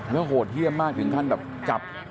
แล้วโหดเหี้ยวมากถึงครั้งกลับ